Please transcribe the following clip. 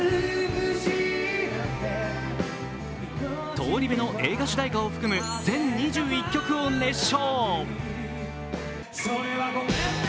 「東リベ」の主題歌を含む全２１曲を熱唱。